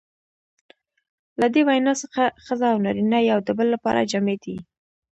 له دې وینا څخه ښځه او نارینه یو د بل لپاره جامې دي.